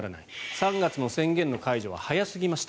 ３月の宣言の解除は早すぎました